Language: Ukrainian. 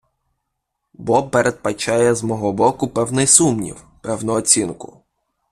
Бо передбачає з мого боку певний сумнів, певну оцінку.